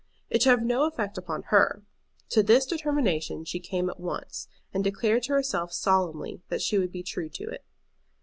It should have no effect upon her. To this determination she came at once, and declared to herself solemnly that she would be true to it.